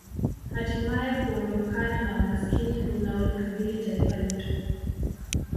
Hatimae kuondokana na umaskini unaolikabili taifa letu